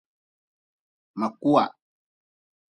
Ma kuwa.